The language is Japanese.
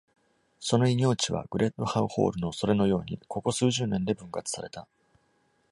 その囲繞地は、Gledhow Hall のそれのように、ここ数十年で分割された。